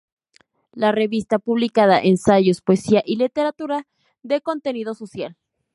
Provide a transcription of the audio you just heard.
La revista publicaba ensayos, poesía y literatura de contenido social.